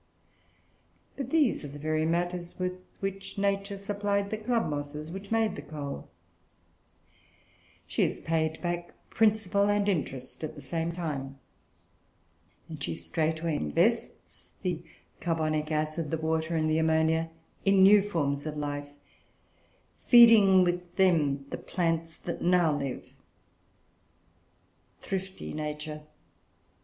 But these are the very matters with which Nature supplied the club mosses which made the coal She is paid back principal and interest at the same time; and she straightway invests the carbonic acid, the water, and the ammonia in new forms of life, feeding with them the plants that now live. Thrifty Nature!